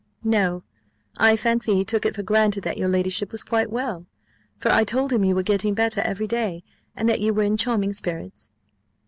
"No. I fancy he took it for granted that your ladyship was quite well; for I told him you were getting better every day, and that you were in charming spirits."